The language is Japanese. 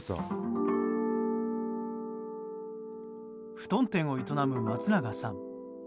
ふとん店を営む松永さん。